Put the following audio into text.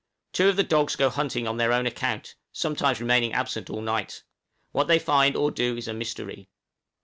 Two of the dogs go hunting on their own account, sometimes remaining absent all night. What they find or do is a mystery.